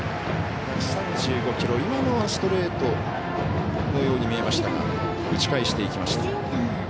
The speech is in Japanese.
１３５キロ、今のはストレートのように見えましたが打ち返していきました。